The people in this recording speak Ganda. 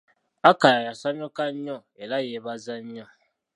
Akaya yasanyuka nnyo era yeebaza nnyo.